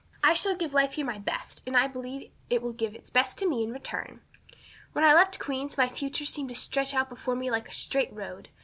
I shall give life here my best, and I believe it will give its best to me in return. When I left Queen's my future seemed to stretch out before me like a straight road.